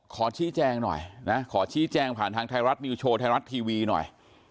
ขอชี้แจงหน่อยนะขอชี้แจงผ่านทางไทยรัฐนิวโชว์ไทยรัฐทีวีหน่อย